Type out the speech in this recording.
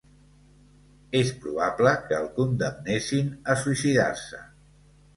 És probable que el condemnessin a suïcidar-se.